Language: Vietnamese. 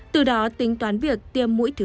từ đó tính toán việc tiêm mũi thứ ba